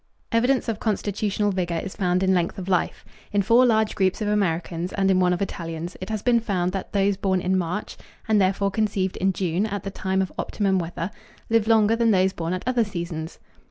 Evidence of constitutional vigor is found in length of life. In four large groups of Americans and in one of Italians it has been found that those born in March, and therefore conceived in June at the time of optimum weather, live longer than those born at other seasons.